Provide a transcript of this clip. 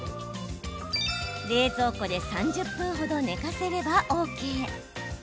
冷蔵庫で３０分程、寝かせればＯＫ。